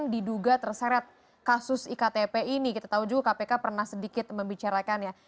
diduga terseret kasus iktp ini kita tahu juga kpk pernah sedikit membicarakan ya